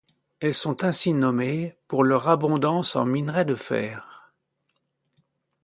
Elles sont ainsi nommées pour leur abondance en minerais de fer.